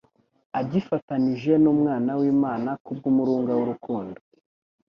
agifatanije n'Umwana w'Imana kubw'umurunga w'urukundo.